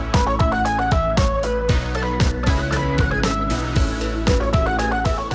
โปรดติดตามตอนต่อไป